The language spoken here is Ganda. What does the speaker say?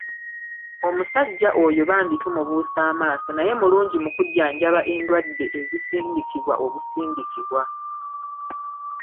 Omusajja oyo bambi tumubuusa amaaso naye mulungi mu kujjanjaba endwadde ezisindikibwa obusindikibwa.